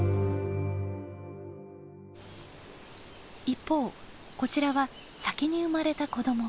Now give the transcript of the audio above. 一方こちらは先に生まれた子ども。